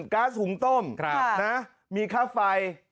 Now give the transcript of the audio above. ๊าซหุงต้มมีค่าไฟ